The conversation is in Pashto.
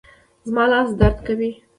زما لاس درد کوي